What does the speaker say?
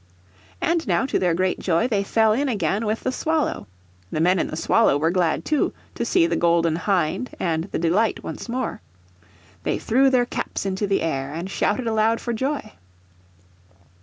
And now to their great joy they fell in again with the Swallow. The men in the Swallow were glad, too, to see the Golden Hind and the Delight once more. They threw their caps into the air and shouted aloud for joy.